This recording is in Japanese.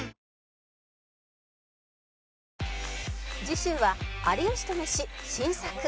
次週は「有吉とメシ」新作